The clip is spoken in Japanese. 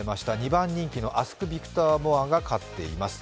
２番人気のアスクビクターモアが勝っています。